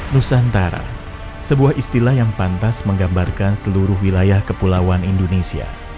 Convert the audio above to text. nusantara sebuah istilah yang pantas menggambarkan seluruh wilayah kepulauan indonesia